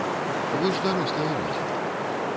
Вы ж дарослыя людзі.